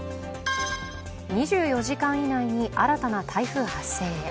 ２４時間以内に新たな台風発生へ。